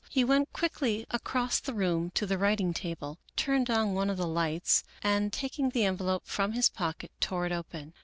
He went quickly across the room to the writing table, turned on one of the lights, and, taking the envelope from his pocket, tore it open.